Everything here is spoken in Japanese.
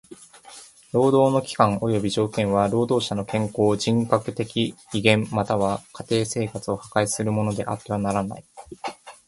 労働の期間および条件は労働者の健康、人格的威厳または家庭生活を破壊するものであってはならない。